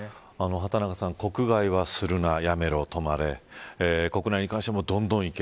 畑中さん、国外はするな、やめろ、止まれ国内に関してもどんどんいけ。